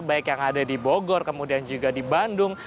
baik yang ada di bogor kemudian juga di bandung